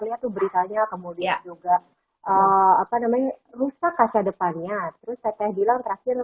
lihat tuh beritanya kemudian juga apa namanya rusak kaca depannya terus teteh bilang terakhir